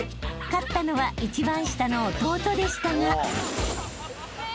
［勝ったのは一番下の弟でしたが］